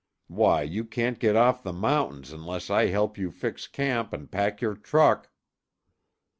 Why, you can't get off the mountains unless I help you fix camp and pack your truck!"